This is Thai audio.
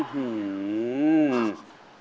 หือหือ